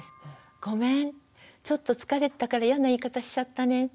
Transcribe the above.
ごめんちょっと疲れてたからイヤな言い方しちゃったねって。